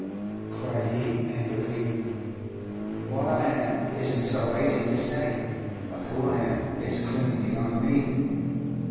cried he, angrily. "What I am is n't so aisy to say; but who I am is clean beyond me."